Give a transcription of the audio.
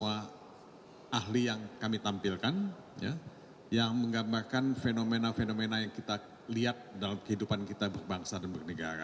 ada ahli yang kami tampilkan yang menggambarkan fenomena fenomena yang kita lihat dalam kehidupan kita berbangsa dan bernegara